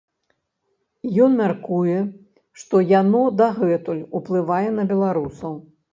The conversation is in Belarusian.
Ён мяркуе, што яно дагэтуль уплывае на беларусаў.